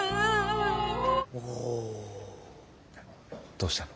どうしたの？